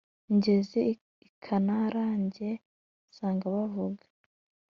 ngeze ikanarange nsanga bavuga